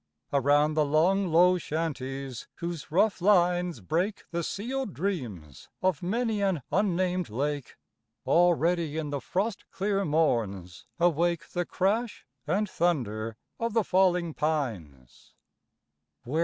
Around the long low shanties, whose rough lines Break the sealed dreams of many an unnamed lake, Already in the frost clear morns awake The crash and thunder of the falling pines.